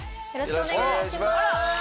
よろしくお願いします。